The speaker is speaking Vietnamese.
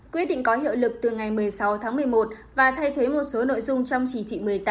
quyết định có hiệu lực từ ngày một mươi sáu tháng một mươi một và thay thế một số nội dung trong chỉ thị một mươi tám